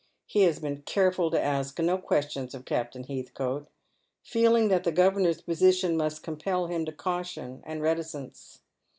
He has been careful to ask no questions of Captain Heathcote, feeling that the governor's position must compel him to caution and reticence.